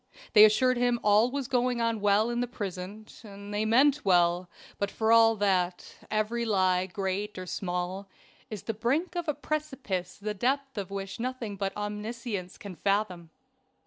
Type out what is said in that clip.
They assured him all was going on well in the prison. They meant well; but for all that, every lie, great or small, is the brink of a precipice the depth of which nothing but Omniscience can fathom.